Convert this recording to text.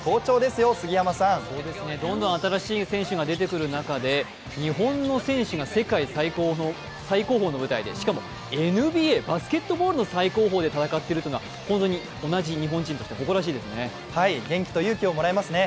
すごいですね、どんどん新しい選手が出てくる中で日本の選手が世界最高峰の舞台でしかもＮＢＡ、バスケットボールの世界最高峰で戦っているというのは本当に同じ日本人として誇らしいですね。